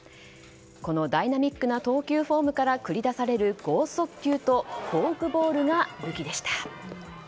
このダイナミックな投球フォームから繰り出される剛速球とフォークボールが武器でした。